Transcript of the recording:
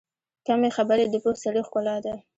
کمې خبرې، د پوه سړي ښکلا ده.